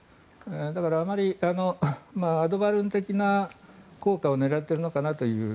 だからアドバルーン的な効果を狙っているのかなという。